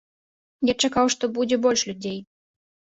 Я чакаў, што будзе больш людзей.